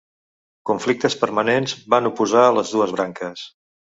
Conflictes permanents van oposar a les dues branques.